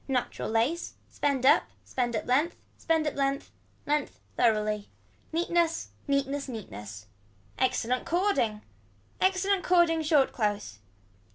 Natural lace. Spend up. Spend up length. Spend up length. Length thoroughly. Neatness. Neatness Neatness. Excellent cording. Excellent cording short close.